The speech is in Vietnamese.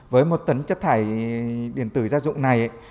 với một tấn chất thải điện tử gia dụng này